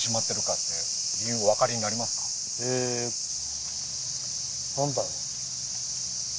え何だろう？